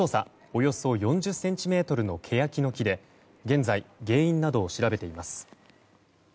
およそ４０ｃｍのケヤキの木で、現在原因などを調べています。